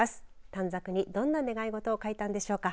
短冊にどんな願い事を書いたんでしょうか。